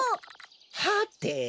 はて？